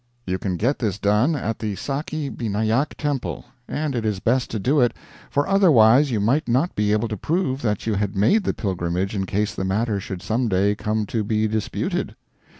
You can get this done at the Sakhi Binayak Temple, and it is best to do it, for otherwise you might not be able to prove that you had made the pilgrimage in case the matter should some day come to be disputed.